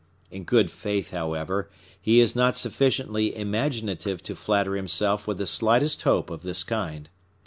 In good faith, however, he is not sufficiently imaginative to flatter himself with the slightest hope of this kind.